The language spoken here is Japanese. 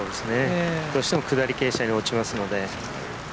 どうしても下り傾斜に落ちますので。